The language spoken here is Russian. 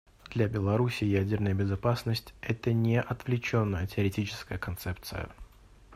Для Беларуси ядерная безопасность — это не отвлеченная теоретическая концепция.